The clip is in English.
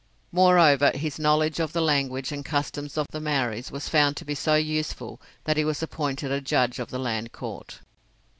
Moreover, his knowledge of the language and customs of the Maoris was found to be so useful that he was appointed a Judge of the Land Court.